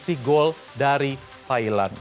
selisih gol dari thailand